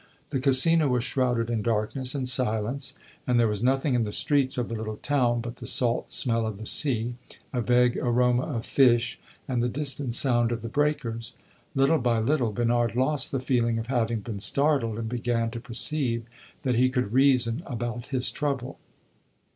The Casino was shrouded in darkness and silence, and there was nothing in the streets of the little town but the salt smell of the sea, a vague aroma of fish and the distant sound of the breakers. Little by little, Bernard lost the feeling of having been startled, and began to perceive that he could reason about his trouble.